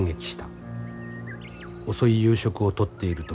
遅い夕食をとっている時